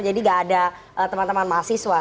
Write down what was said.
jadi nggak ada teman teman mahasiswa